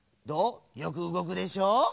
よくうごくでしょう？ね？